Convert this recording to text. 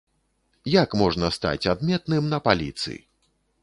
Як можна стаць адметным на паліцы.